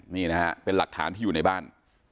นี่นะฮะเป็นหลักฐานที่อยู่ในบ้าน